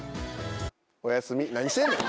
おやすみ何してんねん！